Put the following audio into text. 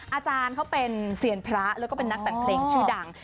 อาจารย์เขาเป็นเซียนพระแล้วก็เป็นนักแต่งเพลงชื่อดัง